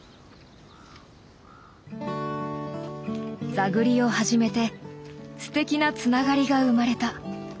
座繰りを始めてすてきなつながりが生まれた。